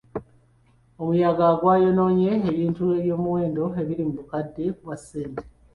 Omuyaga gwayonoonye ebintu eby'omuwendo ebiri mu bukadde bwa ssente.